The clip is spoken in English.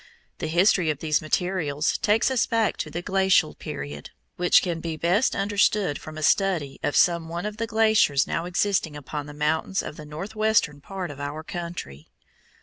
The history of these materials takes us back to the Glacial period, which can be best understood from a study of some one of the glaciers now existing upon the mountains of the northwestern part of our country.